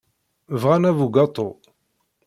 Bɣan abugaṭu.